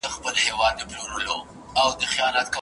آیا انلاین سودا تر بازار سودا اسانه ده؟